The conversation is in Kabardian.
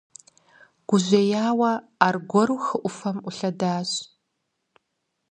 Гужьеяуэ, аргуэру хы Ӏуфэм Ӏулъэдащ.